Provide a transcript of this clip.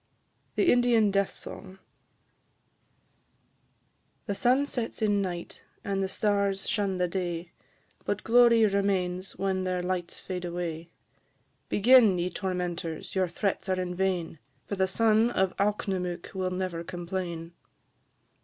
THE INDIAN DEATH SONG. The sun sets in night, and the stars shun the day, But glory remains when their lights fade away. Begin, ye tormentors, your threats are in vain, For the son of Alknomook will never complain.